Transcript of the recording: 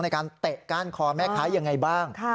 ในการเตะก้านคอแม่ขาอย่างไรบ้าง